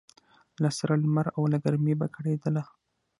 له سره لمر او له ګرمۍ به کړېدله